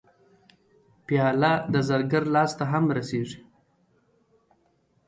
پیاله د زرګر لاس ته هم رسېږي.